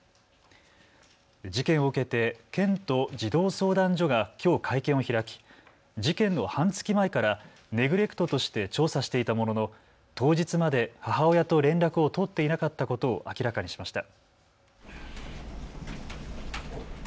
事件を受けて県と児童相談所がきょう会見を開き事件の半月前からネグレクトとして調査していたものの当日まで母親と連絡を取っていなかったことを明らかにしました。